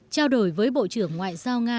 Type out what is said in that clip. trao đổi với bộ trưởng ngoại giao nga